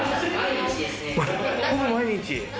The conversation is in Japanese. ほぼ毎日。